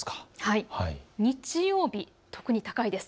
日曜日、特に高いです。